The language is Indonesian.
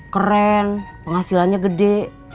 keren penghasilannya gede